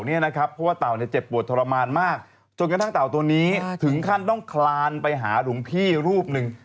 เพราะว่าเต่าเจ็บปวดทรมานมากจนกระทั่งเต่าตัวนี้ถึงขั้นต้องคลานไปหาหลวงพี่รูปหนึ่ง